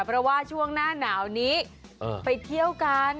เพราะว่าช่วงหน้าหนาวนี้ไปเที่ยวกัน